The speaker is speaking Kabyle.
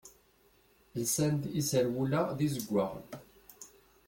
Lsan-d iserwula d izeggaɣen.